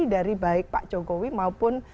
dari baik pak jokowi maupun